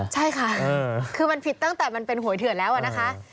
ใช่ค่ะคือมันผิดตั้งแต่มันเป็นหวยเถื่อนแล้วนะคะ